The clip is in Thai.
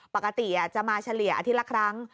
ปกติจะมาเฉลี่ยอาทิตย์ละครั้ง